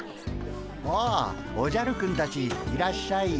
ああおじゃるくんたちいらっしゃい。